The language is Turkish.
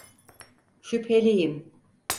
Şüpheliyim.